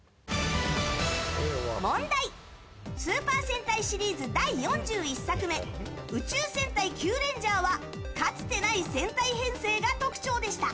問題、スーパー戦隊シリーズ第４１作目「宇宙戦隊キュウレンジャー」はかつてない戦隊編成が特徴でした。